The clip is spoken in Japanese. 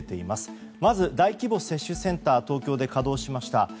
まず、大規模接種センターが東京で稼働しました。